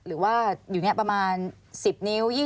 หรือว่าอยู่นี้ประมาณ๑๐นิ้ว